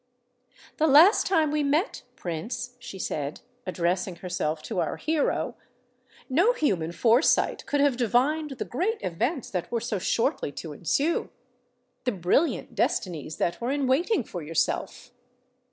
"The last time we met, Prince," she said, addressing herself to our hero, "no human foresight could have divined the great events that were so shortly to ensue—the brilliant destinies that were in waiting for yourself."